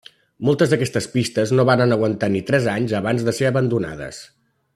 Moltes d'aquestes pistes no varen aguantar ni tres anys abans de ser abandonades.